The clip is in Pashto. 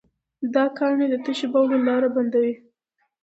دا کاڼي د تشو بولو لاره بندوي.